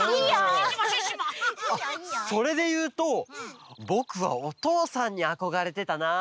あっそれでいうとぼくはおとうさんにあこがれてたな。